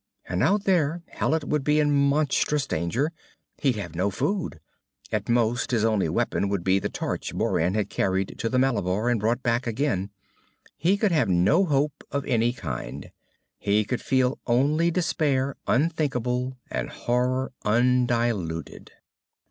And out there Hallet would be in monstrous danger; he'd have no food. At most his only weapon would be the torch Moran had carried to the Malabar and brought back again. He could have no hope of any kind. He could feel only despair unthinkable and horror undiluted.